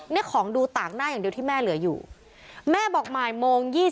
นี่ของดูต่างหน้าอย่างเดียวที่แม่เหลืออยู่แม่บอกบ่ายโมง๒๐